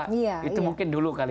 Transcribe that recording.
iya iya itu mungkin dulu kan